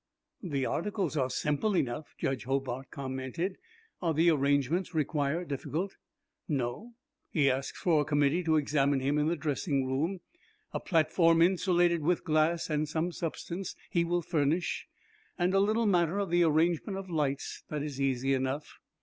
'" "The articles are simple enough," Judge Hobart commented. "Are the arrangements required difficult?" "No. He asks for a committee to examine him in the dressing room; a platform insulated with glass and some substance he will furnish, and a little matter of the arrangement of lights that is easy enough."